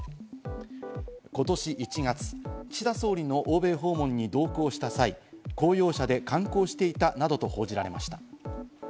今年１月、岸田総理の欧米訪問に同行した際、公用車で観光していたなどと報じられました。